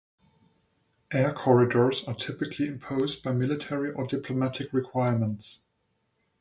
Air corridors are typically imposed by military or diplomatic requirements.